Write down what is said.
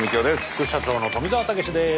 副社長の富澤たけしです。